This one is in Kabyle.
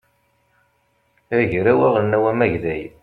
agraw aɣelnaw amagday